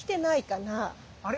あれ？